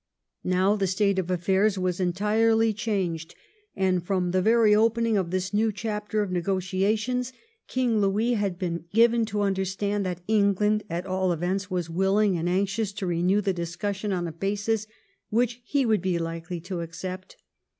Now the state of aflairs was entirely changed, and from the very opening of this new chapter of negotiations King Louis had been given to understand that England, at all events, was willing and anxious to renew the discussion on a basis which he would be likely to accept.